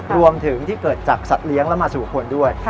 รวมถึงที่เกิดจากสัตว์เลี้ยงและมาสู่คนด้วย